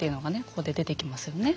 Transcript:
ここで出てきますよね。